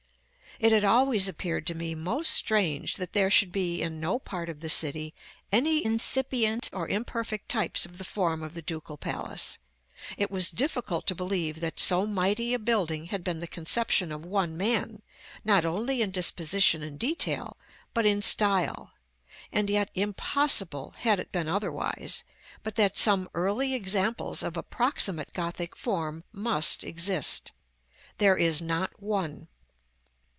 It had always appeared to me most strange that there should be in no part of the city any incipient or imperfect types of the form of the Ducal Palace; it was difficult to believe that so mighty a building had been the conception of one man, not only in disposition and detail, but in style; and yet impossible, had it been otherwise, but that some early examples of approximate Gothic form must exist. There is not one.